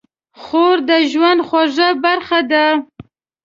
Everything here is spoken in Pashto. خور د ژوند خوږه برخه ده.